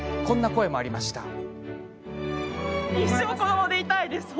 こんな声もありました。